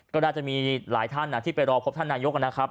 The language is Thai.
ก็น่าจะมีหลายท่านที่ไปรอพบท่านนายกนะครับ